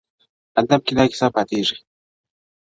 ادب کي دا کيسه پاتې کيږي-